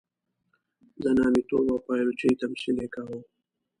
د نامیتوب او پایلوچۍ تمثیل یې کاوه.